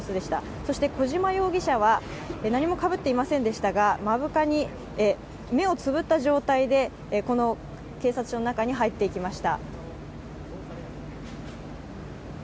そして、小島容疑者は何もかぶっていませんでしたが、目をつぶった状態で、この警察署の中に入っていきました。